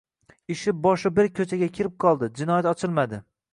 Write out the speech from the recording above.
Ish boshi berk ko`chaga kirib qoldi, jinoyat ochilmadi